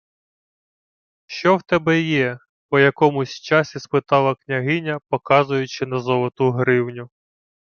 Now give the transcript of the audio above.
— Що то в тебе є? — по якомусь часі спитала княгиня, показуючи на золоту гривню.